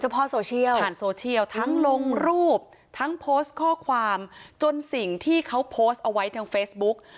เพราะโซเชียลผ่านโซเชียลทั้งลงรูปทั้งโพสต์ข้อความจนสิ่งที่เขาโพสต์เอาไว้ทางเฟซบุ๊ก